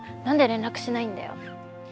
「何で連絡しないんだよ」。